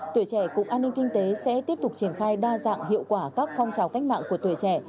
tuổi trẻ cục an ninh kinh tế sẽ tiếp tục triển khai đa dạng hiệu quả các phong trào cách mạng của tuổi trẻ